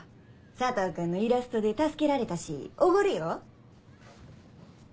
佐藤君のイラストで助けられたしおごるよ。